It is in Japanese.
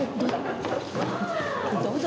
どうぞ。